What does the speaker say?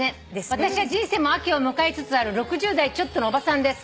私は人生も秋を迎えつつある６０代ちょっとのおばさんです。